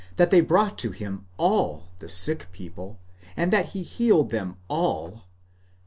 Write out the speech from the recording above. they brought to him all sick people, and that he healed them all (iv.